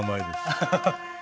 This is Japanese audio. アハハハ。